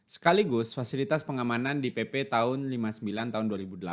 sekaligus fasilitas pengamanan di pp tahun lima puluh sembilan tahun dua ribu delapan